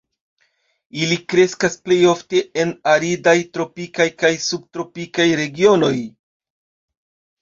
Ili kreskas plej ofte en aridaj tropikaj kaj subtropikaj regionoj.